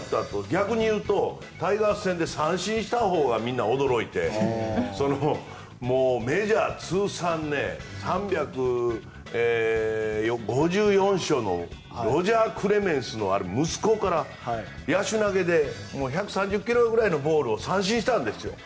逆に言うとタイガース戦で三振したほうがみんな驚いてメジャー通算３５４勝のロジャー・クレメンスの息子から野手投げで１３０ｋｍくらいのボールを三振したんですよ。